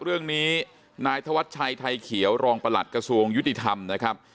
เรื่องนี้นายธวัชชัยไทยเขียวรองประหลัดกระทรวงยุติธรรมนะครับ